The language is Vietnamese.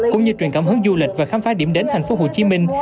cũng như truyền cảm hứng du lịch và khám phá điểm đến thành phố hồ chí minh